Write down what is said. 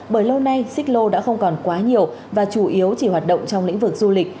bởi lâu nay xích lô đã không còn quá nhiều và chủ yếu chỉ hoạt động trong lĩnh vực du lịch